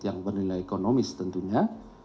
yang bernilai ekonomis tentunya